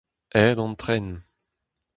Aet an tren.